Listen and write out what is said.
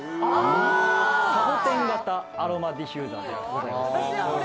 サボテン型アロマディフューザーです。